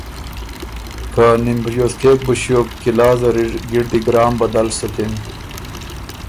که نِمبریوز کېک بُو ݭیوک قلعه زر اِر ګِړدی ګرام بدل سُکِن۔